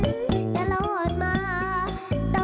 น้ำตาตกโคให้มีโชคเมียรสิเราเคยคบกันเหอะน้ำตาตกโคให้มีโชค